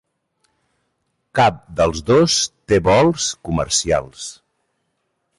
Cap dels dos té vols comercials.